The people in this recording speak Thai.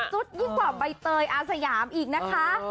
ยิ่งกว่าใบเตยอาสยามอีกนะคะ